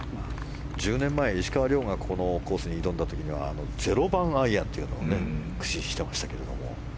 １０年前、石川遼がこのコースに挑んだ時は０番アイアンというのを駆使していましたけれど。